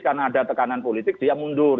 karena ada tekanan politik dia mundur